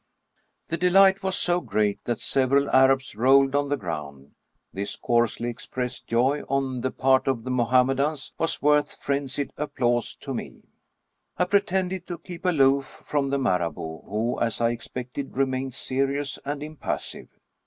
The delight was so great that several Arabs rolled on the ground ; this coarsely expressed joy on the part of Mo hammedans was worth frenzied applause to me. I pretended to keep aloof from the Marabout, who, as I expected, remained serious and impassive.